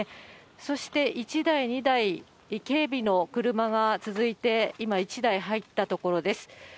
そして１台、２台、警備の車が続いて、今、１台、入ったところです。